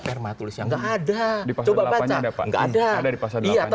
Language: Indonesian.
perma tulis di pasal delapan